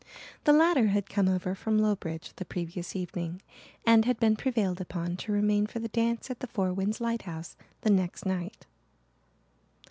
The latter had come over from Lowbridge the previous evening and had been prevailed upon to remain for the dance at the Four Winds lighthouse the next night.